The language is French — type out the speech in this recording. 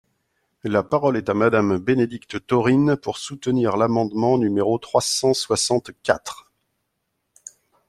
La parole est à Madame Bénédicte Taurine, pour soutenir l’amendement numéro trois cent soixante-quatre.